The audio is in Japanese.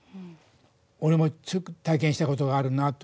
俺も体験したことがあるなと。